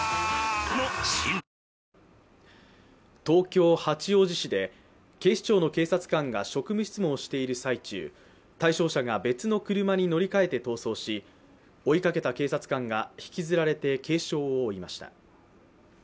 東京・八王子市で警視庁の警察官が、職務質問をしている最中、対象者が別の車に乗り換えて逃走し追いかけた警察官が引きずられて軽傷を負いました。